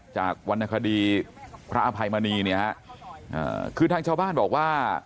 วรรณคดีพระอภัยมณีเนี่ยฮะคือทางชาวบ้านบอกว่า